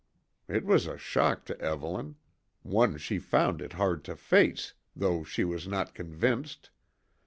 It was a shock to Evelyn; one she found it hard to face, though she was not convinced.